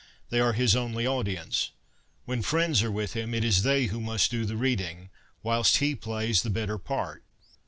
They are his only audience. When friends are with him, it is they who must do the reading, whilst he plays the better part.